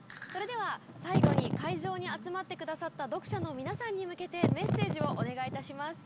最後に会場に集まってくださった読者の皆さんに向けてメッセージをお願いいたします。